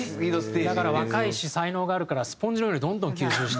だから若いし才能があるからスポンジのようにどんどん吸収して。